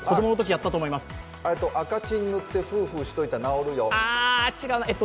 赤チン塗ってふうふうしておいたら、治るよって。